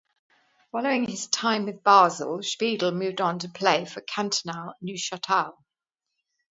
Following his time with Basel Speidel moved on to play for Cantonal Neuchatel.